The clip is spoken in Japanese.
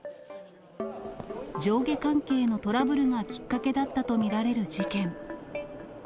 上下関係のトラブルがきっかけだったと見られる事件。